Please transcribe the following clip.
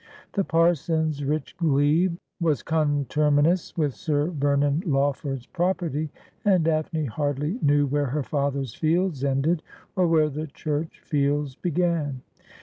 The parson's rich glebe was contermin ous with Sir Vernon Lawford's property, and Daphne hardly knew where her father's fields ended or where the church fields began.